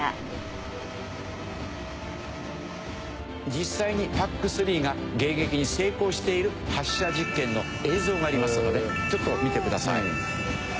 実際にＰＡＣ３が迎撃に成功している発射実験の映像がありますのでちょっと見てください。